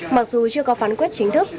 mặc dù chưa có phán quyết chính thức